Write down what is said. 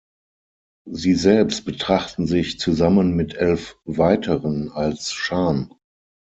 Sie selbst betrachten sich zusammen mit elf weiteren als Shan.